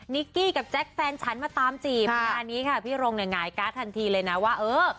กี้กับแจ๊คแฟนฉันมาตามจีบงานนี้ค่ะพี่รงเนี่ยหงายการ์ดทันทีเลยนะว่าเออ